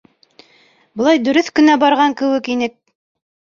Былай дөрөҫ кенә барған кеүек инек.